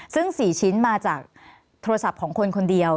ซึ่ง๔ชิ้นมาจากโทรศัพท์ของคนคนเดียว